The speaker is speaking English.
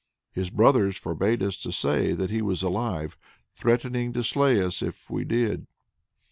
His brothers forbade us to say that he was alive, threatening to slay us if we did."